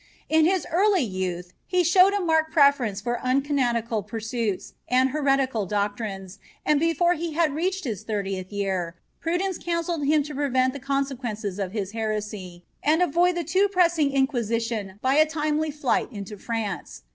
In his early youth he showed a marked preference for uncanonical pursuits and heretical doctrines and before he had reached his thirtieth year prudence counseled him to prevent the consequences of his heresy and avoid the too pressing Inquisition by a timely flight into France.